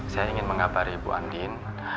saya ingin mengabari bu andin